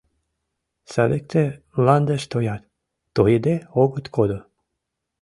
— Садикте мландеш тоят, тойыде огыт кодо.